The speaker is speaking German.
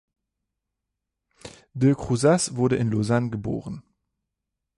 De Crousaz wurde in Lausanne geboren.